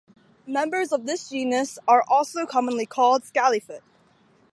Members of this genus are also commonly called scalyfoot.